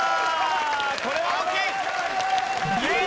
これは大きい！